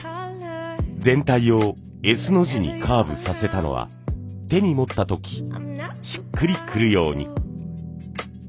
全体をＳの字にカーブさせたのは手に持った時しっくりくるように。